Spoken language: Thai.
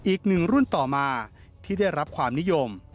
อีกหนึ่งรุ่นต่อมาที่ได้รับความนิยม